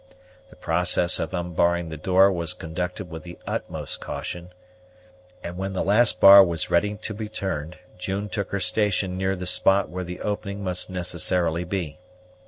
The process of unbarring the door was conducted with the utmost caution, and when the last bar was ready to be turned June took her station near the spot where the opening must necessarily be.